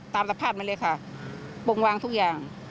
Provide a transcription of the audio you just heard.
ตามรัภาพมันเลยค่ะโปรงวางทุกอย่าง